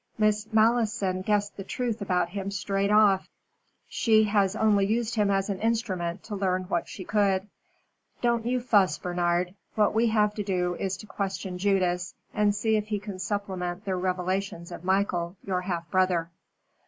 "Miss Malleson guessed the truth about him straight off. She has only used him as an instrument to learn what she could. Don't you fuss, Bernard. What we have to do is to question Judas, and see if he can supplement the revelations of Michael, your half brother."